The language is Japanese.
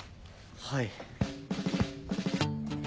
はい。